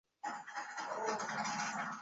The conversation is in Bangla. তিনি মঞ্চে অভিনয়ের উদ্দেশ্যে এই কাজ ত্যাগ করেন।